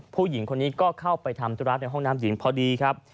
ผู้หญิงคนนี้ก็เข้าไปทำธุระในห้องน้ำหญิงพอดีครับ